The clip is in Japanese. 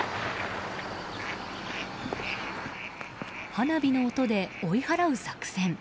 花火の音で追い払う作戦。